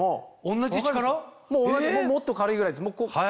同じもっと軽いぐらいです。